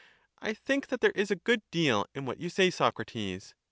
I think that there is a good deal in what you say, Socrates.